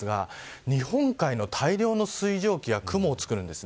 日本海の大量の水蒸気が雲をつくります。